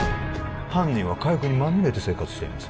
犯人は火薬にまみれて生活しています